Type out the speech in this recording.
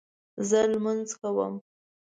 زه لمونځ کوم